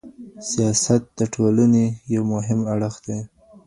سیاست د ټولنې یو مهم اړخ دی.